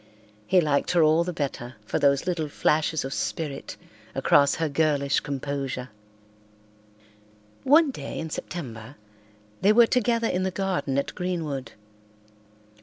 He liked her all the better for those little flashes of spirit across her girlish composure. One day in September they were together in the garden at Greenwood.